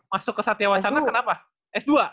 masuk ke satya wacana kenapa s dua